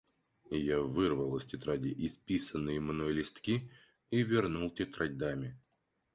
Я вырвал из тетради исписанные мной листки и вернул тетрадь даме.